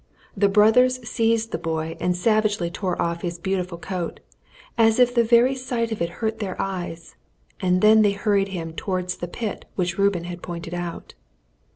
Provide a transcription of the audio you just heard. The brothers seized the boy and savagely tore off his beautiful coat, as if the very sight of it hurt their eyes, and then they hurried him towards the pit which Reuben had pointed out.